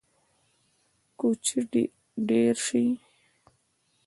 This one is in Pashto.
کوچي ډیر شي